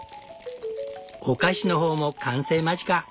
お菓子の方も完成間近。